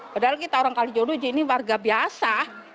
padahal kita orang kalijodo ini warga biasa